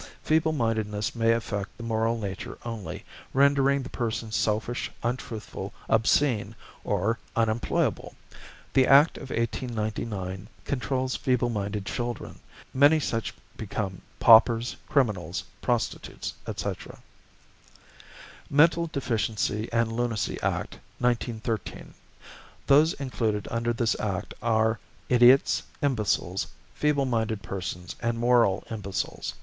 Feeble mindedness may affect the moral nature only, rendering the person selfish, untruthful, obscene, or unemployable. The Act of 1899 controls feeble minded children; many such become paupers, criminals, prostitutes, etc. =Mental Deficiency and Lunacy Act, 1913.= Those included under this Act are idiots, imbeciles, feeble minded persons, and moral imbeciles.